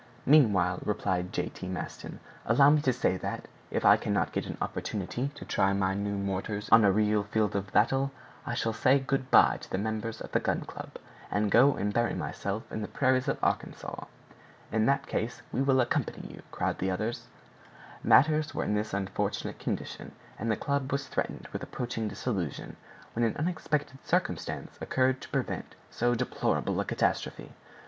"Meanwhile," replied J. T. Maston, "allow me to say that, if I cannot get an opportunity to try my new mortars on a real field of battle, I shall say good by to the members of the Gun Club, and go and bury myself in the prairies of Arkansas!" "In that case we will accompany you," cried the others. Matters were in this unfortunate condition, and the club was threatened with approaching dissolution, when an unexpected circumstance occurred to prevent so deplorable a catastrophe.